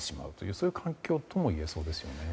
そういう環境ともいえそうですね。